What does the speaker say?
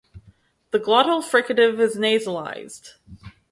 The glottal fricative is nasalized.